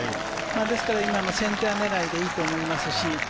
ですからセンター狙いでいいと思いますし。